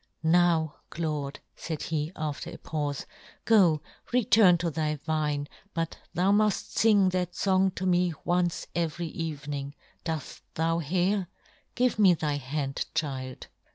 " Now, Claude," faid he, after a paufe, " go, return " to thy vine, but thou muft fing that " fong to me once every evening, " doft thou hear } Give me thy hand, "child."